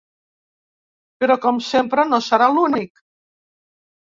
Però com sempre no serà l’únic.